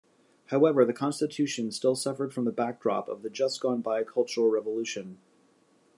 However, the Constitution still suffered from the backdrop of the just-gone-by Cultural Revolution.